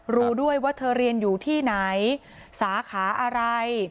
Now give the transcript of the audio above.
รู้ด้วยว่าเธอเรียนอยู่ที่ไหนสาขาอะไร